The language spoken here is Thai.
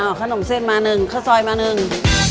เอาขนมเส้นมาหนึ่งข้าวซอยมาหนึ่ง